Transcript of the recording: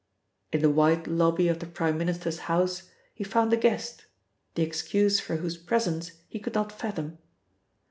In the wide lobby of the Prime Minister's house he found a guest, the excuse for whose presence he could not fathom.